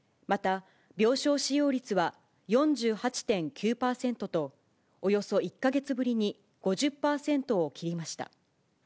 また、病床使用率は４８．９％と、およそ１か月ぶりに５０％を切りました。